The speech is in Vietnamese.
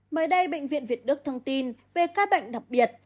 mới đây bệnh viện việt đức thông tin về ca bệnh đặc biệt